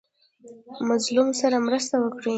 مظلوم سره مرسته وکړئ